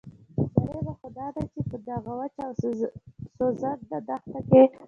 جالبه خو داده چې په دغه وچه او سوځنده دښته کې.